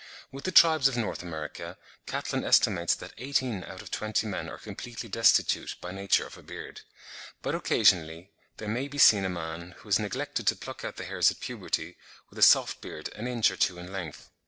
With the tribes of North America, Catlin estimates that eighteen out of twenty men are completely destitute by nature of a beard; but occasionally there may be seen a man, who has neglected to pluck out the hairs at puberty, with a soft beard an inch or two in length.